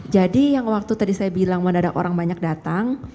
jadi yang waktu tadi saya bilang orang banyak datang